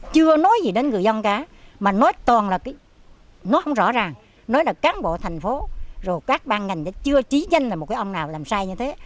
chưa nói gì đến người dân cả mà nói toàn là nói không rõ ràng nói là cán bộ thành phố rồi các ban ngành chưa trí danh là một cái ông nào làm sai như thế